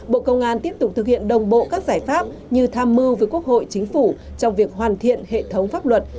bộ công an tiếp tục thực hiện đồng bộ các giải pháp như tham mưu với quốc hội chính phủ trong việc hoàn thiện hệ thống pháp luật